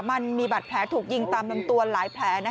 มันมีบาดแผลถูกยิงตามลำตัวหลายแผล